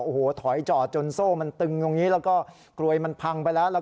โอ้โหถอยจอดจนโซ่มันตึงตรงนี้แล้วก็กลวยมันพังไปแล้ว